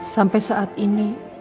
sampai saat ini